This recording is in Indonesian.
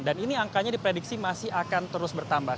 dan ini angkanya diprediksi masih akan terus bertambah